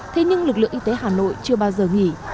thế nhưng lực lượng y tế hà nội chưa bao giờ nghỉ